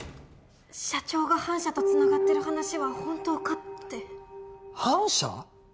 社長が反社とつながってる話は本当かって反社！？